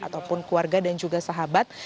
ataupun keluarga dan juga sahabat